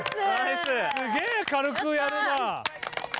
すげぇ軽くやるな。